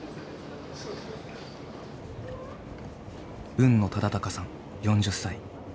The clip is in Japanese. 海野雅威さん４０歳。